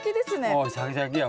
おうシャキシャキや。